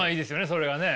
それがね。